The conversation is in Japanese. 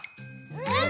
うん！